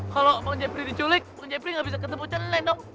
kalo peng jebri diculik peng jebri ga bisa ketemu celek dong